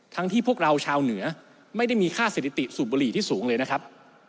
ที่พวกเราชาวเหนือไม่ได้มีค่าสถิติสูบบุหรี่ที่สูงเลยนะครับ